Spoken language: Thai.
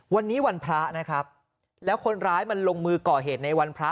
วันนี้วันพระนะครับแล้วคนร้ายมันลงมือก่อเหตุในวันพระ